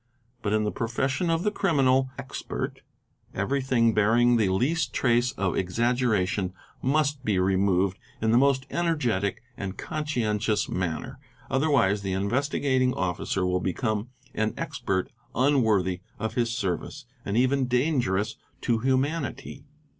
But in the profession of the criminal expert every thing bearing the least trace of exaggeration must be removed in the most energetic and conscientious manner; otherwise, the Investigating Officer will become an expert unworthy of his service and even dangerous to humanity.